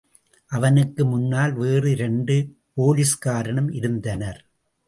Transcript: அவனுக்கு முன்னால் வேறு இரண்டு போலிஸ்காரனும் இருந்தனர்.